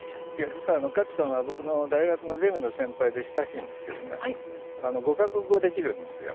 実は勝さんは僕の大学のゼミの先輩で親しいんですが５か国語ができるんですよ。